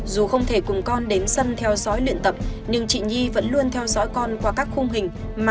dù không thể cùng con đến sân theo dõi luyện tập nhưng chị nhi vẫn luôn theo dõi con qua các khung hình mà ông đã tìm ra